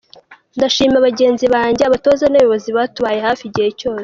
Ndashimira bagenzi banjye, abatoza n’abayobozi batubaye hafi igihe cyose.